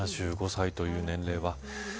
７５歳という年齢は。